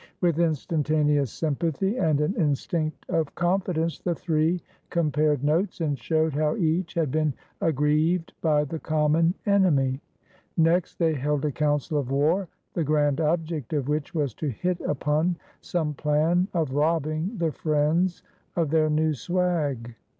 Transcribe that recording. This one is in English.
With instantaneous sympathy and an instinct of confidence the three compared notes, and showed how each had been aggrieved by the common enemy. Next they held a council of war, the grand object of which was to hit upon some plan of robbing the friends of their new swag.